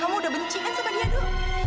kamu udah benci kan sama dia do